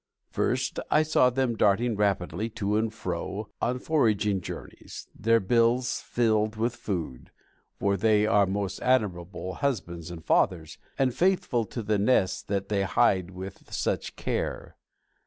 First, I saw them darting rapidly to and fro on foraging journeys, their bills filled with food, for they are most admirable husbands and fathers, and faithful to the nests that they hide with such care.